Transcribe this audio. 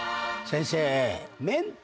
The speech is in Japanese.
先生。